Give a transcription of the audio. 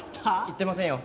言ってませんよ。